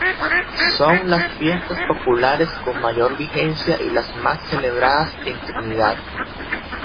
Son las fiestas populares con mayor vigencia y las más celebradas en Trinidad.